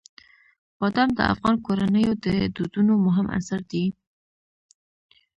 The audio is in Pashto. بادام د افغان کورنیو د دودونو مهم عنصر دی.